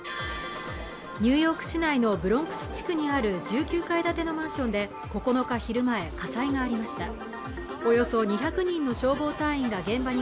ニューヨーク市内のブロンクス地区にある１９階建てのマンションで９日昼前火災がありました